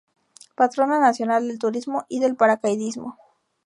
Patrona nacional del turismo y del paracaidismo.